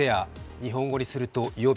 日本語にすると「予備」。